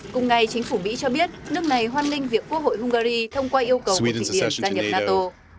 cùng ngày chính phủ mỹ cho biết nước này hoan nghênh việc quốc hội hungary thông qua yêu cầu về thụy điển gia nhập nato